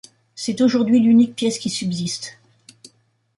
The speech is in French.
C'est aujourd'hui l'unique pièce qui subsiste.